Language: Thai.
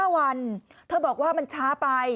๕วันเธอบอกว่ามันช้าไป